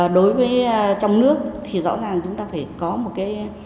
đối với trong nước thì rõ ràng chúng ta phải có một cái